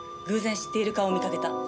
「偶然知っている顔を見かけた」